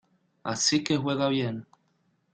Así que juega bien.